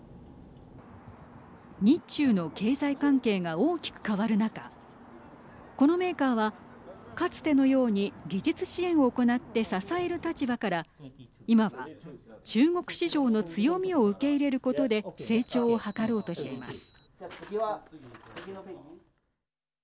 日中の経済関係が大きく変わる中このメーカーはかつてのように技術支援を行って支える立場から今は、中国市場の強みを受け入れることで成長を図ろうとしています。